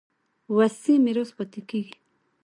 وصي میراث پاتې کېږي.